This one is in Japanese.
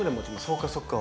そうかそうか。